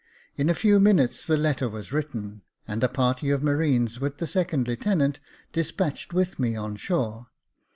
In a few minutes the letter was written, and a party of marines, with the second lieutenant, despatched with me on shore.